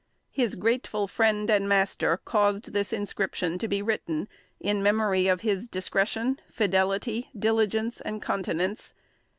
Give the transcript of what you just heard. His grateful friend and master caused this inscription to be written in memory of his discretion, fidelity, diligence, and continence.